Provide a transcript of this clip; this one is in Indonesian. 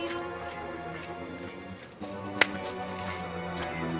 wah ini sini